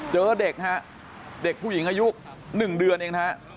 เจอเด็กเด็กผู้หญิงอายุหนึ่งเดือนเอง